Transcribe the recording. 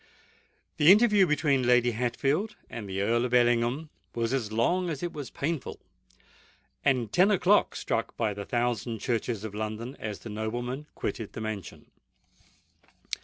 The interview between Lady Hatfield and the Earl of Ellingham was as long as it was painful: and ten o'clock struck by the thousand churches of London, as the nobleman quitted the mansion.